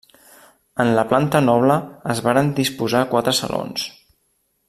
En la planta noble es varen disposar quatre salons.